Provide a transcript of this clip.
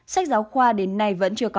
sách giáo khoa đến nay